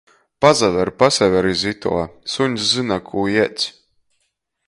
Pasaver, pasaver iz ituo! Suņs zyna, kū ieds!